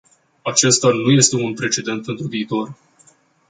Acesta nu este un precedent pentru viitor.